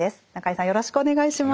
よろしくお願いします。